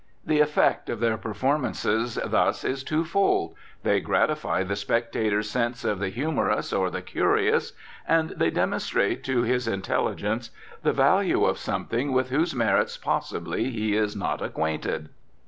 The effect of their performances thus is twofold: they gratify the spectator's sense of the humorous or the curious, and they demonstrate to his intelligence the value of something with whose merits possibly he is not acquainted.